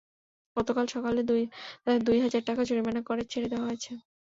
গতকাল সকালে তাঁদের দুই হাজার টাকা জরিমানা করে ছেড়ে দেওয়া হয়েছে।